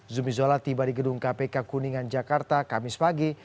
zumi zola tiba di gedung kpk kuningan jakarta kamis pagi